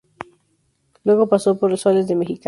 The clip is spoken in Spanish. Luego pasó por Soles de Mexicali.